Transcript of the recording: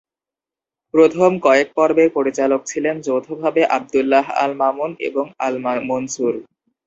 প্রথম কয়েক পর্বের পরিচালক ছিলেন যৌথভাবে আবদুল্লাহ আল মামুন এবং আল মনসুর।